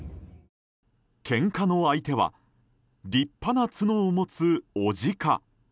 けんかの相手は立派な角を持つ牡鹿。